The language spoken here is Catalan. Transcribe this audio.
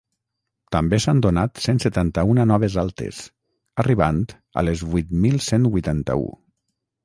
També s’han donat cent setanta-una noves altes, arribant a les vuit mil cent vuitanta-u.